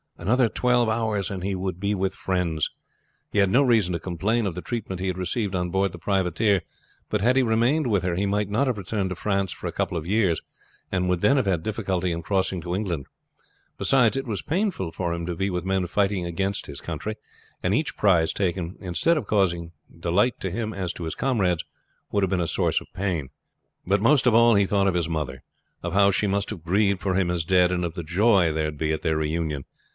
Another twelve hours and he would be with friends! He had no reason to complain of the treatment he had received on board the privateer, but had he remained with her he might not have returned to France for a couple of years, and would then have had difficulty in crossing to England; beside, it was painful to him to be with men fighting against his country, and each prize taken instead of causing delight to him as to his comrades, would have been a source of pain. But most of all he thought of his mother, of how she must have grieved for him as dead, and of the joy there would be at their reunion.